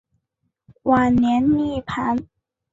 晚年涅盘。